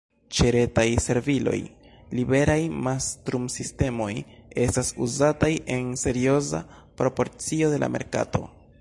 Ĉe retaj serviloj, liberaj mastrumsistemoj estas uzataj en serioza proporcio de la merkato.